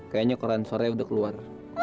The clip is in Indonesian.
kayaknya koran sore udah keluar